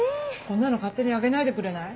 こんなの勝手にあげないでくれない？